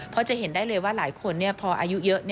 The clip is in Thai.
เพราะจะเห็นได้เลยว่าหลายคนพออายุเยอะ